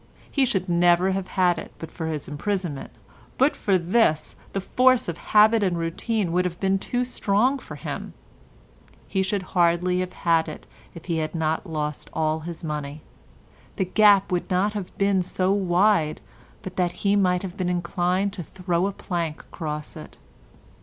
He should never have had it but for his imprisonment; but for this the force of habit and routine would have been too strong for him; he should hardly have had it if he had not lost all his money; the gap would not have been so wide but that he might have been inclined to throw a plank across it.